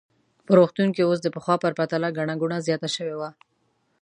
په روغتون کې اوس د پخوا په پرتله ګڼه ګوڼه زیاته شوې وه.